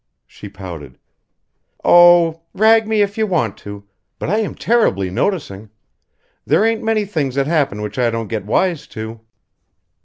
She pouted. "Oh! rag me if you want to. But I am terribly noticing. There ain't many things that happen which I don't get wise to."